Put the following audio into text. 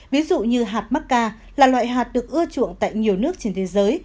ví dụ như hạt mắc ca là loại hạt được ưa chuộng tại nhiều nước trên thế giới